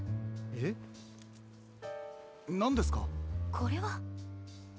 これは。